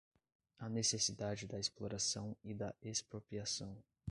a necessidade da exploração e da expropriação